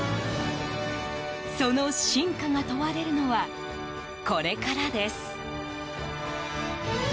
その真価が問われるのはこれからです。